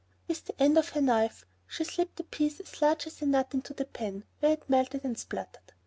With the end of her knife she slipped a piece as large as a nut into the pan, where it melted and spluttered.